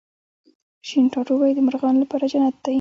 شین ټاټوبی د مرغانو لپاره جنت دی